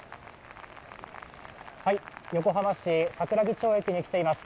横浜市・桜木町駅に来ています。